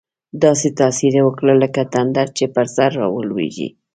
داسې تاثیر یې وکړ، لکه تندر چې پر سر راولوېږي.